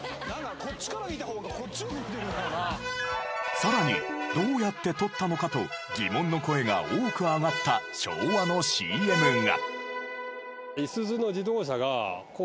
さらにどうやって撮ったのかと疑問の声が多く上がった昭和のＣＭが。